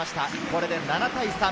これで７対３。